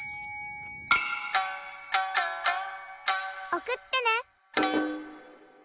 おくってね！